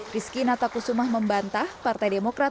rizky natakusumah membantah partai demokrat